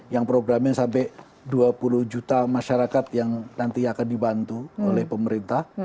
yang programnya sampai dua puluh juta masyarakat yang nanti akan dibantu oleh pemerintah